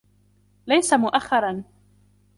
ليس مؤخرا